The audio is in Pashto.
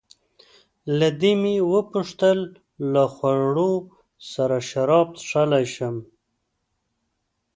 له دې مې وپوښتل: له خوړو سره شراب څښلای شم؟